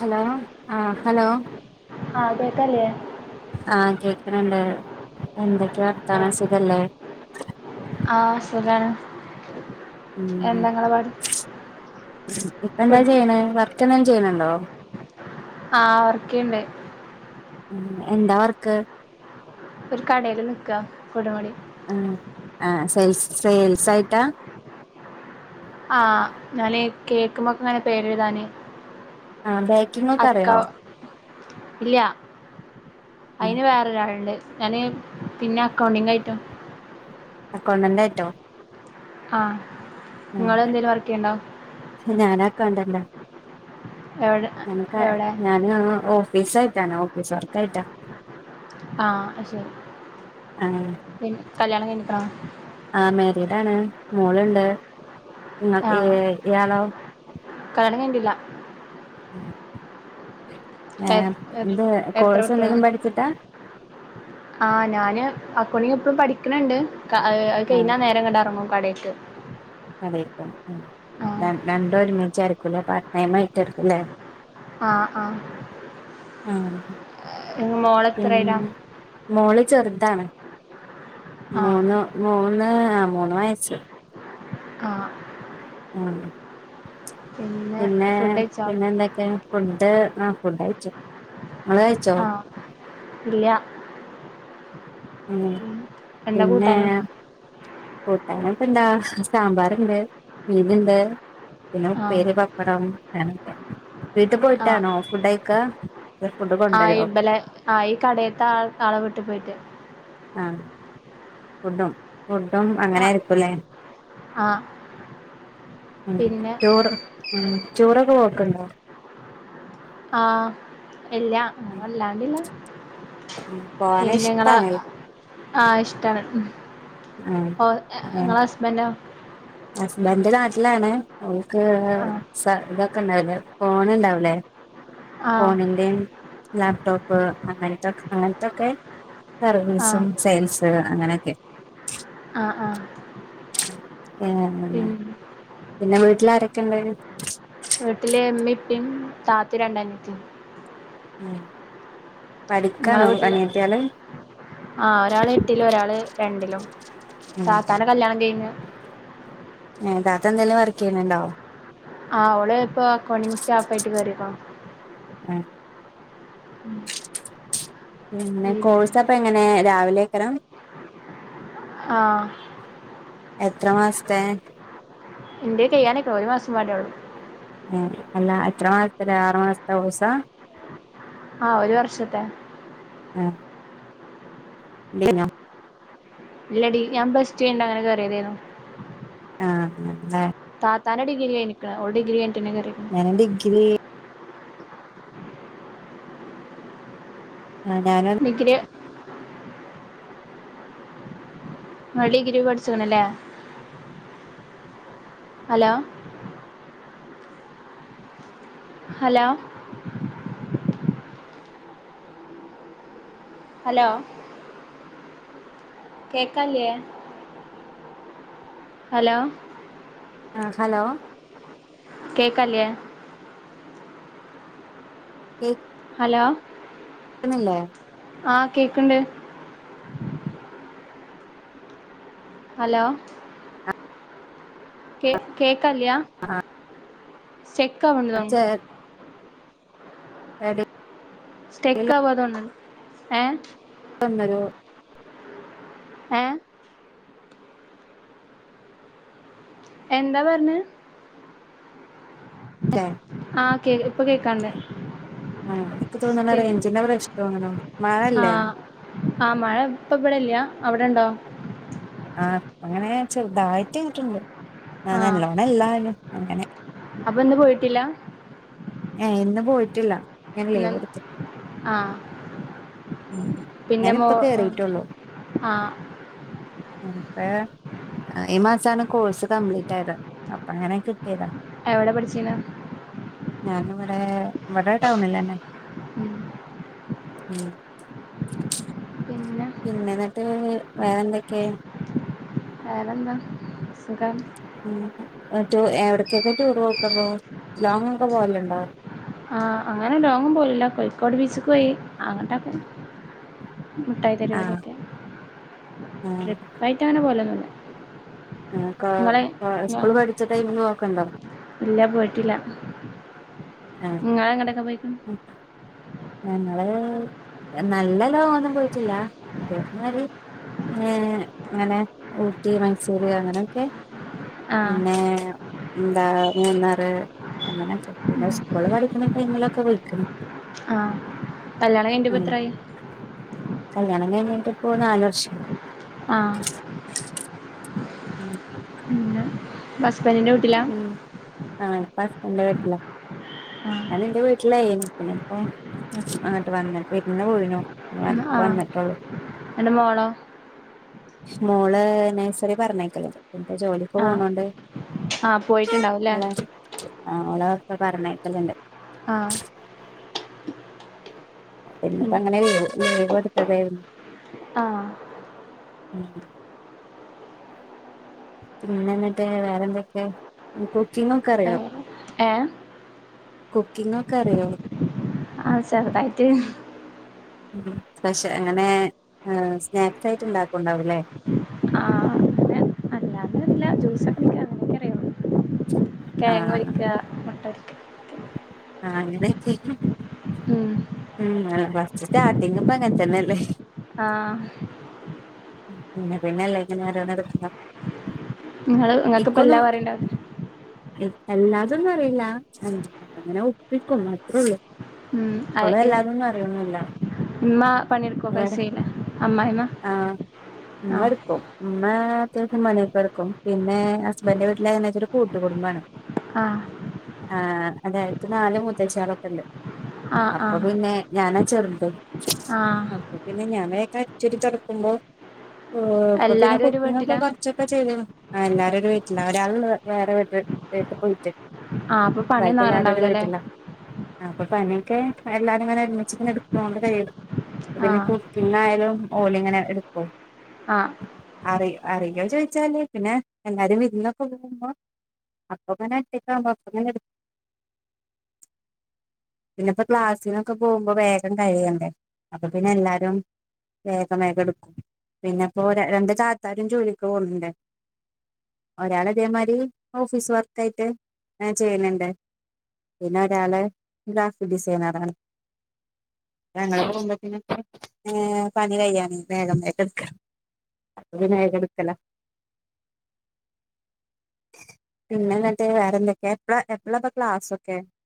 Hello ആ hello. ആഹ കേള്ക്കാലെ. ആ കേക്കണണ്ട്. എന്തൊക്കെയ വർത്താനം ആഹ് സുഖല്ലേ. സുഗാണ്. മ്മ് ഇപ്പ എന്താ ഫുഡ് ചെയ്യണേ വർ വർക്ക്എന്തേലും ചെയ്യണണ്ടോ. ആ വർക്കയിണ്ട്. ഉം എന്താ വർക്ക് ഒരു കടയിൽ നിക്കാ കുടമടി ആ -ആ സേൽസ് സേയിൽസ് ആയിട്ടാ ആ ഞാന് കേക്കുമ്മൊക്കങ്ങനെ പേരെഴുതാന് ആ ബോക്കിങ്ങൊക്ക അക്ക അറിയോ ഇല്ല അയിന് വേറൊരാളുണ്ട് ഞാന് പിന്നെ അക്കൗണ്ടിങ്ങ് ആയിട്ട് അക്കൗണ്ടന്റായിട്ടോ ആ നിങ്ങള് എന്തേലും വർക്കെയ്യണ്ടോ ക്കൗണ്ടൻ ഡോ എവിടെ ഞങ്ങൾക്കെ എവിടെ ഞാന് ഓഫ് ഓഫീസ് ആയിട്ടാണെ ഓഫീസ് വർക്കായിട്ടാ ആ അത് ശരി പിൻ കല്യാണം കഴിഞ്ഞേക്ക്‌ ണോ ആ മാരീഡാണ് മോളുണ്ട് നിങ്ങൾ ഏ ആഹ് ഇയാളോ കല്യാണം കഴിഞ്ഞിട്ടില്ല ഉം എ എ എത്ര കുട്ടികളാ എന്തെങ്കിലും പഠിച്ചിട്ടാ ആ ഞാന് അക്കൗണ്ടിംഗ് ഇപ്പോളും പഠിക്കണണ്ട് ക ആയ് അത് ആ കഴിഞ്ഞാ നേരം കണ്ട എറങ്ങും കടേക്ക് അതേക്ക ആഹ് ആഹ് രണ്ട് രണ്ടു ഒരുമിച്ചായിരിക്കൂല്ല പാർട്ട് ടൈം ആയിട്ടെടുക്കും ല്ലേ ആഹ് -ആഹ് ആഹ് ഉം മോളെത്രയിലാ മോള് ചെറുതാണ് ആഹ് മൂന്ന് മൂന്ന് ആ മൂന്ന് വയസ്സ് ആഹ് ആ പിന്നെ ഫുഡ് കഴിച്ചോ പിന്നെ എന്തൊക്കയാ ഫുഡ് ആ ഫുഡ് കഴിച്ചു ഇങ്ങള് കഴിച്ചോ ആഹ് ഇല്ല ഉം എന്താ പിന്നേ കൂട്ടാന് പൊ ഞങ്ങൾക്കെന്താ സാമ്പാറിണ്ട് മീനിണ്ട് പിന്നെ ആഹ് ഉപ്പേരി പപ്പടം വീട്ടി പോയിട്ടാണോ ഫുഡ് കയിക്ക ആ ഈമ്പലെ ആ ഈ കടയത്തെ ആൾ ആളെ വിട്ടി പോയിട്ട് ആഹ് ഫുഡും ഫുഡും അങ്ങനെ ആഹ് ആയിരിക്കുംല്ലേ ആഹ് ഉം പിന്നെ ചോറ് ഉം ചോറൊക്കെ കോക്കണ്ടോ ആഹ് ഇല്ല വല്ലാണ്ടില്ല ഉം പോവാന് പിന്നെ നിങ്ങളെ ഇഷ്ടാണ്. ആഹ് ഇഷ്ടാണ് ആഹ് ഓ ഞ നിങ്ങളെ ഹസ്ബൻന്റോ ഹസ്ബന്റ് നാട്ടിലാണ് അവക്ക് ആഹ് സ ഇതൊക്കെ ഉണ്ടാവില്ലേ ഫോണ് ഇണ്ടാവൂലേ ആഹ് ഫോണിന്റെയും ലാപ്ടോപ്പ് അങ്ങനത്തൊക്ക് അങ്ങനത്തൊക്കെ സർവീസും ആഹ് സെയിൽസ് അങ്ങനെയൊക്കെ ആഹ് ആഹ് ഏന്നെ പിന്നെ പിന്നെ വീട്ടിലാരൊക്കെ ഉണ്ട് വീട്ടില് ഇമ്മി ഇപ്പീയും താത്തി രണ്ടനിയത്തി ഉം ഇങ്ങളെ പഠിക്കാണോ വീട്ടിലോ അനിയത്തികള് ആഹ് ഒരാള് എട്ടിലും ഒരാള് രണ്ടിലും ഉം താത്താന്റെ കല്യാണം കഴിഞ്ഞ് ഏ താത്ത എന്തെങ്കിലും വർക്ക് ചെയ്യണണ്ടോ ആ ഓള് ഇപ്പൊ അക്കൗണ്ടിങ് സ്റ്റാഫായിട്ട് കേറീക്കണ് ആഹ് പിന്നെ കോഴ്സപ്പം എങ്ങനെ രാവിലേത്തണം ആഹ് എത്ര മാസത്തെ ഇന്ത്യക്ക് ചെയ്യാനായിട്ട് ഒരു മാസം വാരേയുള്ളൂ മ്മ് അല്ല എത്ര മാസത്തില ആറുമാസത്തെ കോഴ്സാ ആഹ് ഒരു വർഷത്തെ ഏഹ്മ് കുളികയിഞ്ഞോ ഇല്ലടി ഞാൻ പ്ലസ് ടു കയിഞ്ഞ് അങ്ങനെ കറിയതായിരുന്നു ആഹ ആഹ താ താന്റെ ഡിഗ്ര കഴിഞ്ക്കണ് ഒരു ഡിഗ്രി കിക്ക ഞാനെ ഡിഗ്രി ആഹ ഞാന ഡിഗ്രി ഇകൾ ഡിഗ്രി പഠിച്ചണല്ലേ ഹലോ ഹലോ ഹലോ കേക്കാല്ലേ ഹലോ ആ ഹലോ കേക്കല്ലേ കെ ഹലോ കേൾക്കുന്നില്ലേ ആഹ് കേക്കണ്ട് ഹലോ കേ കേക്കാല്ല്യ സ്റ്റെക് അവ്ണലോ അത സ്റ്റെക്ക് അവത്ോണ്ടണ്ട് ഏഹ ഒന്നരോ ഏ എന്താ പറഞ്ഞെ ആഹ് ആഹ് കേ ഇപ്പൊ കേക്കാണ്ടേ ആഹ അതൊക്കെ തോന്നുണെ റേഞ്ചിന്റെ പ്രഷ്ണ തോന്നുന്നു മഴല്ലേ ആ മഴ ഇപ്പം ഇവിടെല്ല അവിടെ ഉണ്ടോ ആ അങ്ങനെ ചെറുതായിട്ട്ങ്ങിട്ടുണ്ട് ആ നല്ലോണം എല്ലായാലും അങ്ങനെ അപ്പൊന്ന് പോയിട്ടില്ല ഏ ഇന്ന് പോയിട്ടില്ല ഞാൻ ലീവ് എന്നൽ എടുത്തു ആഹ പിന്നെ മോ ഞാനിപ്പ കേറിയിട്ടുള്ളൂ ആ ആ അപ്പ ഈ മാസാണ് കോഴ്സ് കംപ്ലീറ്റ് ആയത് അപ്പ അങ്ങനെ കിട്ടിയതാ എവിടെ പഠിച്ചീന ഞാനിവിടെ ഇവിടെ ടൗണിലന്നെ ഉം ഉ പിന്നെ എന്നിട്ട് വേറെ എന്തൊക്കെയ വറെന്താ സുഖം ഉം എവിടക്കൊക്കെ ടൂർ പോക്ക് ലോങ് ഒക്കെ പോവലുണ്ടോ ആഹ അങ്ങനെ ലോങ് പോലല്ല കോഴിക്കോട് ബീച്ചക്ക് പോയി അങ്ങട്ട് ഒകെ മുട്ടായി തരുവ്ക്ക് ആഹ് ഒകെ ട്രിപ്പായിട്ട് അങ്ങനെ പോലൊന്നല്ല ആ ക സ്കൂൾ പഠിച്ച ടൈമന്ന് നോക്കണ്ടോ ഇല്ല പോയിട്ടില്ല നിങൾ എങ്ങടെൊക്കെ പോയിക്ണ് മും ഞങ്ങള് നല്ല ലോങ്ങ്‌ ഒന്നും പോയിട്ടില്ല ഏ അങ്ങനെ ഊട്ടി മൈസൂര് അങ്ങനെയൊക്കെ ആഹ് പിന്നെ എന്താ മൂന്നാറ് അങ്ങനെക്കെ പിന്നെ സ്കൂള് പഠിക്കുന്ന ടൈമിലൊക്കെ പോയിക്ക്ണ് ആഹ് കല്യാണം കഴിഞ്ഞിട്ട് ഇപ്പൊ ഉം എത്രയായി. കല്യാണം കഴഞ്ഞട്ടിപ്പോ നാല് വർഷം ആയി. ആ ഉം ഹസ്ബൻ്റിൻ്റെ വീട്ടിലാ ഹസ്ബൻ്റിൻ്റെ വീട്ടിലാ. ആഹ് ഞൻ എന്റെ വീട്ടിലായിരുന്നു. പിന്നെ ഇപ്പം അങ്ങട്ട് വന്ന വരുന്നു പോഴനു പിന്നെ വന്നിറ്റോളൂ. എൻ്റെ മോളോ? മോള് നഴ്സറി പറഞ്ഞയക്കല്ണ്ട്. പിന്നപ്പ ജോലിക്ക് ആഹ് പോണോണ്ട് ആഹ് പോയിട്ടുണ്ടാവുംല്ലേ ള ഒളൊക്കെ പറന്നയക്കലുണ്ട്. ആഹ പിന്നപ്പോ ഉം അങ്ങനെ ലീവ് ലീവ് എടുത്തതായിരുന്നു. ആഹ് ഉം പിന്ന എന്നിട്ട് വേറെന്തൊക്കെയ? കുക്കിംഗ് ഒക്കെ അറിയോ. ഏ കുക്കിംഗ് ഒക്കെ അറിയോ? ആഹ ചെറുതായിട്ട്. സ്പെഷ്യ അങ്ങനെ സ്നാക്സായിട്ട് ഉണ്ടാക്കണ്ടാവുംല്ലേ? ആ ങ്ങെ അല്ല അതെല്ല ജ്യൂസിക്ക ഇണ്ടാ തേങ്ങ ഒലിക്ക മുട്ട ആ അങ്ങിനെ ചെയ്യും. ഉം ഉം ആ പസ്‌റ്റ് സ്റ്റാട്ടിങ്പ്പങ്ങചന്നല്ലേ. ആഹ പിന്നെ പിന്നെല്ലേ ഇങ്ങനരിയണത് എടുക്ക നിങ്ങള് നിങ്ങക്ക് ഇപ്പ എല്ലാം അറിയാണ്ടാവും. അല്ലാതൊന്നും അറിയില്ല. അങ്ങനെ ഒപ്പിക്കും മാത്രേ ഉള്ളൂ. ഉം ഇവിടെളല്ലാതൊന്നും അറിയിന്നില്ല ഉമ്മ പണിയെടുക്കുവൊക്കെ വേറെ ചെയ്യില്ലേ അമ്മായിമ്മ ആഹ ആഹ് മ്മടുക്കും ഉം അമ്മ അത്യാവശ്യം പണിയൊക്കെടുക്കും. പിന്നെ ഹസ്ബൻ്റിന്റെ വീട്ടില വെച്ച കൂട്ട് കുടുംബമാണ്. ആ ആഹ അതായക്ക് നാല് മുത്തശ്ശികളൊക്കെണ്ട് ആഹ് അപ്പൊ ആഹ് പിന്ന ഞാനാ ചെറുത്. ആഹ് അപ്പൊ പിന്നെ ഞാനക്കെച്ചെരി തടക്കുമ്പോ ഓ അപ്പോപിന്നെ എല്ലാരും ഒരു കുക്കിംഗ് ഒക്കെ വീട്ടിലാ കുറച്ചൊക്കെ ചെയിതാണ് ആ എല്ലാരും ഒരു വീട്ടില്ല. ഒരാളെളു വേറെ വീട്ടിൽ പേപ്പർ പോയിട്ട് ഇരിക്യ ആഹ് അപ്പൊ പണിയൊന്നും ബാക്കിളൊരു ഒരു അങ്ങനെണ്ടാവൂലല്ലേ വീട്ടില്ല. ആ അപ്പൊ പണിയൊക്കെ എല്ലാരും ഇങ്ങനെ ഒരുമിച്ച് എടുത്തോണ്ട് കഴിയും. ഇതെന്നെ ആഹ് കുക്കിംഗ് ആയാലും ഓല ഇങ്ങനെ എടുക്കോ? ആഹ അറി അറിയോ ചോദിച്ചാലേ പിന്നെ എല്ലാരും വിരന്നൊക്കെ ഒന്നും പോകുമ്പോ അപ്പോ പിന്നെ തേറ്റക്കുമ്പോ അങ്ങനെ എടു പിന്നെ ഇപ്പൊ ക്ലാസ്സിനൊക്കെ പോകുമ്പോ വേഗം കഴിയണ്ടേ അപ്പൊ പിന്നെ എല്ലാരും വേഗമേഗം എടുക്കും. പിന്നെ ഇപ്പൊ രണ്ട് ചാത്താരും ജോലിക്ക് പോണണ്ട്. ഒരാൾ അതേമാരി ഓഫീസ് വർക്ക് ആയിട്ട് ചെയ്യന്നുണ്ട്. പിന്നെ ഒരാള് ഗ്രാഫിക് ഡിസൈനറാണ്. ഞങ്ങൾ പോകുമ്പോ പിന്നെ നേ പനികയിയാന് വേഗം മേറ്റെടുക്കണം. അ മേഗം എടുക്കല പിന്നെന്തിട്ട് വേറെ എന്തൊക്കയ എപ്പ എപ്പള്ള എപ്പൊഴ ക്ലാസ് ഒക്കെ.